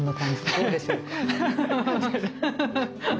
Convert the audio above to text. どうでしょうか？